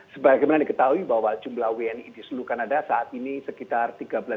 sebagai yang diketahui bahwa jumlah wni di seluruh kanada saat ini sekitar tiga belas empat ratus empat puluh dua